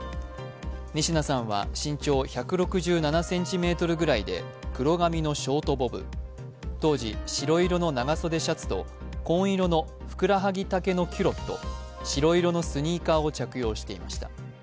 仁科さんは身長１６７ｃｍくらいで、黒髪のショートボブ、当時、白色の長袖シャツと紺色のふくらはぎ丈のキュロット、白色のスニーカーを着用していました。